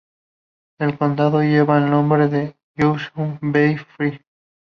El condado lleva el nombre de Joshua Bell, Fry.